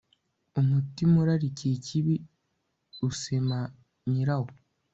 umutima urarikiye ikibi usema nyirawo